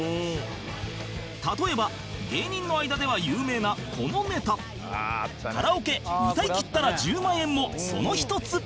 例えば芸人の間では有名なこのネタ「カラオケ歌いきったら１０万円」もその一つ